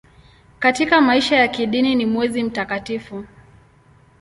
Katika maisha ya kidini ni mwezi mtakatifu.